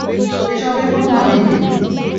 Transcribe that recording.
এসবের কোনো মানেই নেই!